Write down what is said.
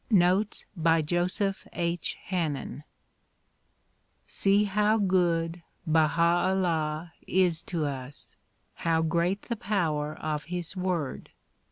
Notes by Joseph H. Hannen SEE how good Baha 'Ullah is to us; how great the power of his Word!